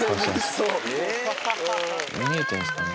見えてるんですかね。